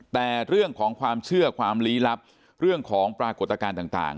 แต่เรื่องของความเชื่อความลี้ลับเรื่องของปรากฏการณ์ต่าง